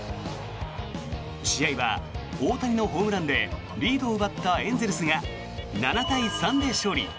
試合は大谷のホームランでリードを奪ったエンゼルスが７対３で勝利。